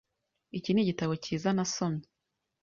Iki nigitabo cyiza nasomye .